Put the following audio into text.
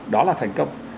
đó là thành công